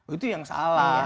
itu yang salah